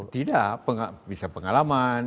tidak bisa pengalaman